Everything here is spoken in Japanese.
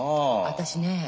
私ね